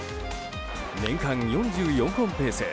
年間４４本ペース。